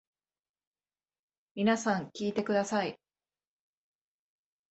皆さん聞いてください。